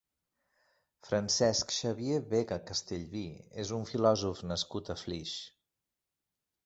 Francesc Xavier Vega Castellví és un filòsof nascut a Flix.